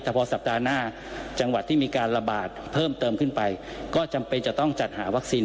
โทรไปใช้อีกครั้งหนึ่งก่อน